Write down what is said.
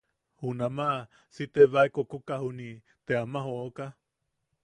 Junamaʼa si tebae kokoka juniʼi te ama jooka.